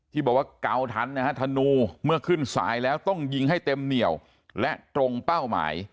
ที่บอกว่าเกาทันนะฮะธนูเมื่อขึ้นสายแล้วต้องยิงให้เต็มเหนียวและตรงเป้าหมาย